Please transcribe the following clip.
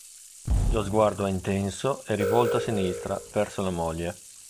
Lo sguardo è intenso e rivolto a sinistra, verso la moglie.